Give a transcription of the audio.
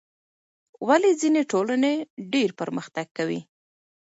ولې ځینې ټولنې ډېر پرمختګ کوي؟